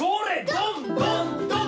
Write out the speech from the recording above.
ドンドンドン！